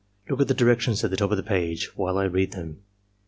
Look at the directions at the top of the page while I read them."